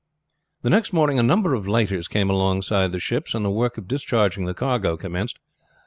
The next morning a number of lighters came alongside the ships, and the work of discharging the cargo commenced.